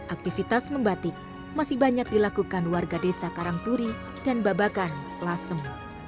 aktivitas membatik masih banyak dilakukan warga desa karangturi dan babakan lasem